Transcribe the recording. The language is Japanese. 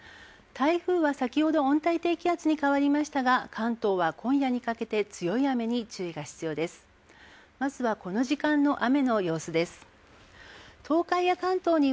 台風は先ほど温帯低気圧に変わりましたが関東は夜にかけて強い雨に注意してください。